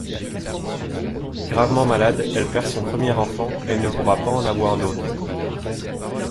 Gravement malade, elle perd son premier enfant et ne pourra pas en avoir d'autre.